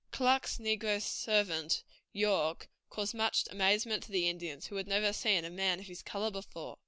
Clark's negro servant, York, caused much amazement to the Indians, who had never seen a man of his color before.